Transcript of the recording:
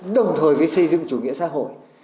đồng thời với xây dựng chủ nghĩa xã hội